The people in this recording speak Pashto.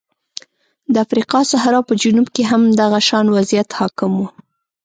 د افریقا صحرا په جنوب کې هم دغه شان وضعیت حاکم و.